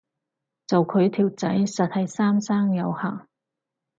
做佢條仔實係三生有幸